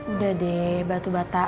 udah deh batu bata